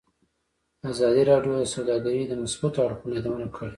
ازادي راډیو د سوداګري د مثبتو اړخونو یادونه کړې.